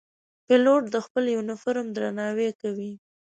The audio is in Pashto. پیلوټ د خپل یونیفورم درناوی کوي.